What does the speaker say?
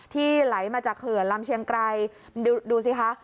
ไหลมาจากเขื่อนลำเชียงไกรดูสิคะ